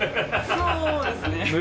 そうですね。